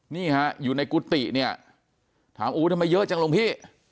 นี่ฮะอยู่ในกุฏิเนี่ยถามอู๋ทำไมเยอะจังหลวงพี่